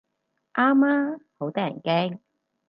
啱啊，好得人驚